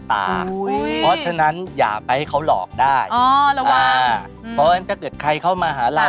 เพราะฉะนั้นถ้าเกิดใครเข้ามาหาเรา